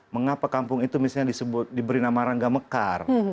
mengapa kampung itu misalnya diberi nama rangga mekar